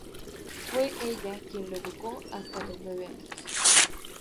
Fue ella quien le educó hasta los nueve años.